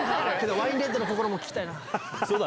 『ワインレッドの心』も聴きたい。